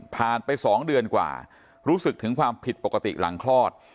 ไป๒เดือนกว่ารู้สึกถึงความผิดปกติหลังคลอด